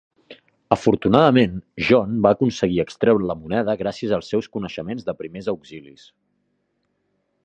Afortunadament, John va aconseguir extreure la moneda gràcies als seus coneixements de primers auxilis.